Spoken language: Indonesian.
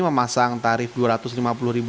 memasang tarif rp dua ratus lima puluh